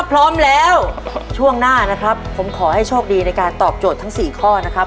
พร้อมแล้วช่วงหน้านะครับผมขอให้โชคดีในการตอบโจทย์ทั้ง๔ข้อนะครับ